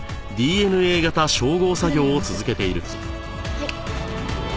はい。